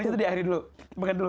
kulitnya diakhirin dulu makan dulu